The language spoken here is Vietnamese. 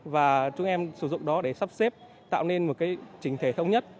và chúng em sử dụng đó để sắp xếp tạo nên một cái trình thể thống nhất